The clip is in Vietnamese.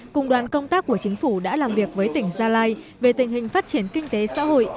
cùng đoàn công tác của chính phủ đã làm việc với tỉnh gia lai về tình hình phát triển kinh tế xã hội